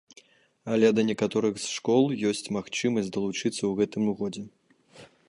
Але да некаторых з школ ёсць магчымасць далучыцца ў гэтым годзе.